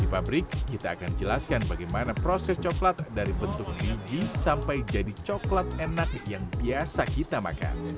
di pabrik kita akan jelaskan bagaimana proses coklat dari bentuk biji sampai jadi coklat enak yang biasa kita makan